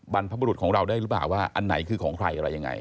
บรรพบรุษของเราได้หรือเปล่าว่าอันไหนคือของใครอะไรยังไง